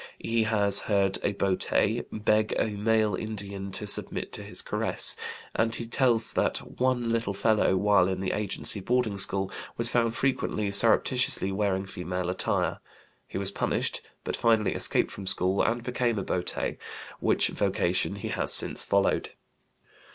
He has heard a boté "beg a male Indian to submit to his caress," and he tells that "one little fellow, while in the agency boarding school, was found frequently surreptitiously wearing female attire. He was punished, but finally escaped from school and became a boté, which vocation he has since followed."